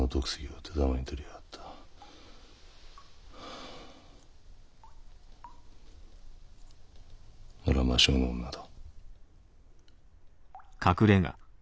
あれは魔性の女だ。